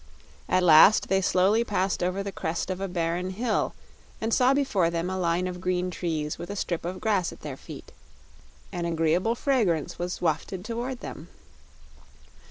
At last they slowly passed over the crest of a barren hill and saw before them a line of green trees with a strip of grass at their feet. An agreeable fragrance was wafted toward them.